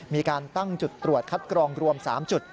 มีการตั้งจุดตรวจคัดกรองรวม๓จุด